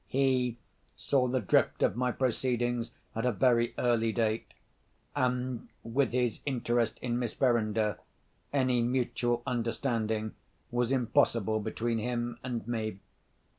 He saw the drift of my proceedings at a very early date; and, with his interest in Miss Verinder, any mutual understanding was impossible between him and me.